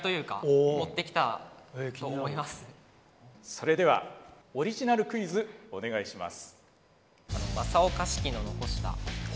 それではオリジナルクイズお願いします。